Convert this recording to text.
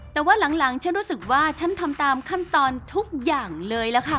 แต่ว่าหลังฉันรู้สึกว่าฉันทำตามขั้นตอนทุกอย่างเลยล่ะค่ะ